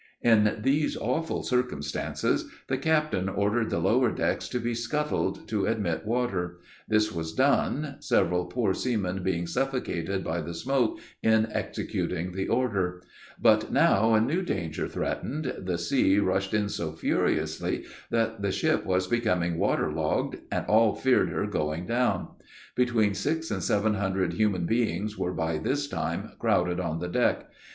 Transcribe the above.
In these awful circumstances, the captain ordered the lower decks to be scuttled, to admit water; this was done; several poor seamen being suffocated by the smoke in executing the order; but now a new danger threatened, the sea rushed in so furiously, that the ship was becoming water logged, and all feared her going down. Between six and seven hundred human beings, were by this time crowded on the deck.